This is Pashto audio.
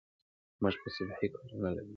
موږ په سطحي کارونو لګیا یو.